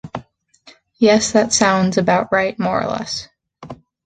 Yes, that sounds about right, more or less.